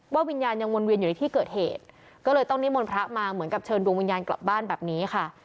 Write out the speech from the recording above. วิญญาณยังวนเวียนอยู่ในที่เกิดเหตุก็เลยต้องนิมนต์พระมาเหมือนกับเชิญดวงวิญญาณกลับบ้านแบบนี้ค่ะ